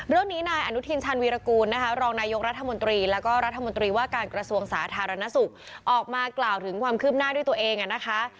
เรื่องนี้นายอนุทินชันวีรกูลนะคะรองนายกรัฐมนตรีแล้วก็รัฐมนตรีว่าการกระทรวงสาธารณสุขออกมากล่าวถึงความคืบหน้าด้วยตัวเองนะคะ